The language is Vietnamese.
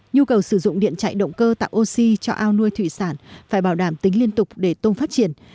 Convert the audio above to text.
nhu cầu sử dụng điện chạy động cơ tạo oxy cho ao nuôi thủy sản phải bảo đảm tính liên tục để tôm phát triển